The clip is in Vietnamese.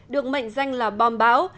được mệnh danh là bom báo